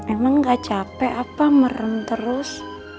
emang gak capek apa merem terus